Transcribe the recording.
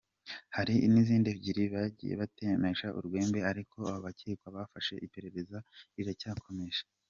Hari n’izindi ebyiri bagiye batemesha urwembe ariko abakekwa babafashe iperereza riracyakomeje.